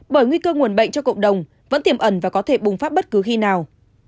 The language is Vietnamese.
bởi nguy cơ nguồn bệnh cho cộng đồng vẫn tiềm ẩn và có thể bùng phát bất cứ khi nào